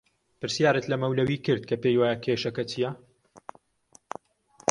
پرسیارت لە مەولەوی کرد کە پێی وایە کێشەکە چییە؟